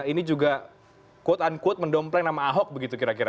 ini juga quote unquote mendompleng nama ahok begitu kira kira